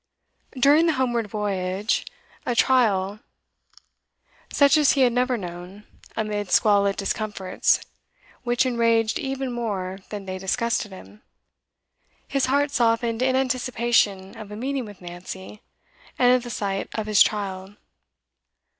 During the homeward voyage a trial such as he had never known, amid squalid discomforts which enraged even more than they disgusted him his heart softened in anticipation of a meeting with Nancy, and of the sight of his child.